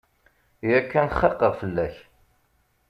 Yakan xaqeɣ fell-ak.